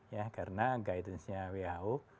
ya karena guidance nya who